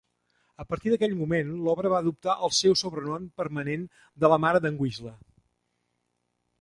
A partir d'aquell moment, l'obra va adoptar el seu sobrenom permanent de La mare d'en Whistler.